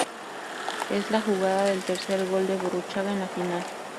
Es la jugada del tercer gol de Burruchaga en la final.